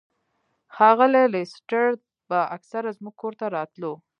ښاغلی لیسټرډ به اکثر زموږ کور ته راتلو.